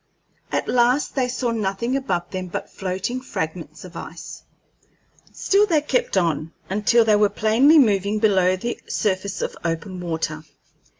At last they saw nothing above them but floating fragments of ice. Still they kept on, until they were plainly moving below the surface of open water.